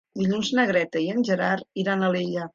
Dilluns na Greta i en Gerard iran a Alella.